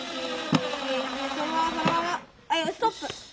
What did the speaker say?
ストップ。